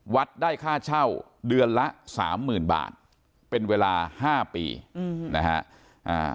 วัดได้ค่าเช่าเดือนละ๓๐๐๐๐บาทเป็นเวลา๕ปีนะฮะ